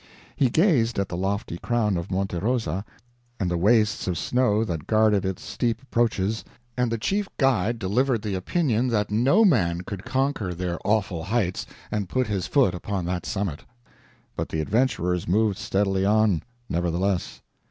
He gazed at the lofty crown of Monte Rosa and the wastes of snow that guarded its steep approaches, and the chief guide delivered the opinion that no man could conquer their awful heights and put his foot upon that summit. But the adventurers moved steadily on, nevertheless.